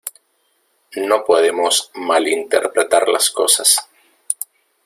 No podemos malinterpretar las cosas.